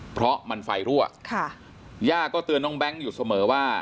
เพราะมันไฟรั่วค่ะย่าก็เตือนน้องแบงค์อยู่เสมอว่า